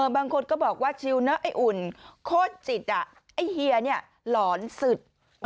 บางคนก็บอกว่าชิลเนอะไอ้อุ่นโคตรจิตไอ้เฮียเนี่ยหลอนสุด